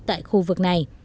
tại khu vực này